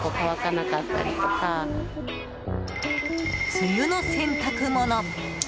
梅雨の洗濯物。